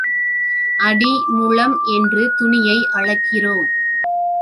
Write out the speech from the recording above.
அடி, முழம் என்று துணியை அளக்கிறோம்.